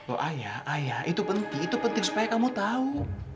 oh ayah itu penting supaya kamu tahu